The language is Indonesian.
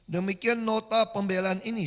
demikian nota pembelahan ini